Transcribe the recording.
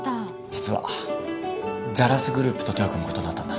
実はザラスグループと手を組むことになったんだ。